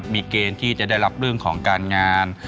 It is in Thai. มีเกณฑ์ที่จะได้รับเรื่องของการงาน